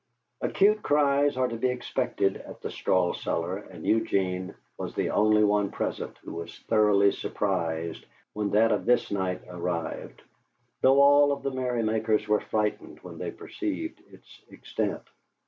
Acute crises are to be expected at the "Straw Cellar," and Eugene was the only one present who was thoroughly surprised when that of this night arrived, though all of the merrymakers were frightened when they perceived its extent.